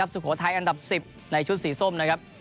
สุโขทัยอันดาป๑๐ในชุดสีส้ม